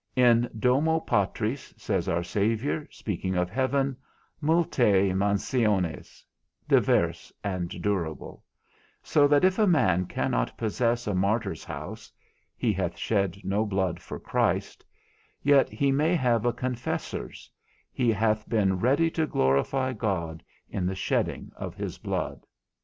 In domo Patris, says our Saviour, speaking of heaven, multæ mansiones, divers and durable; so that if a man cannot possess a martyr's house (he hath shed no blood for Christ), yet he may have a confessor's, he hath been ready to glorify God in the shedding of his blood.